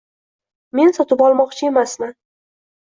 Men sotib olmoqchi emasman.